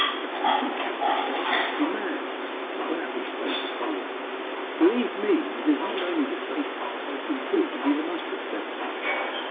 "A hansom cab ?" I cried. "You must be mad. How 'can that be safe at all?" "Believe me, it is not only the safest, but has been proved to be the most successful.